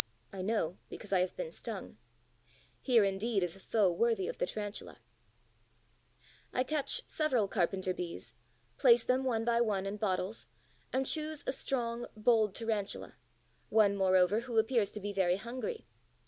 I know, because I have been stung. Here indeed is a foe worthy of the Tarantula. I catch several Carpenter bees, place them one by one in bottles, and choose a strong, bold Tarantula, one moreover who appears to be very hungry.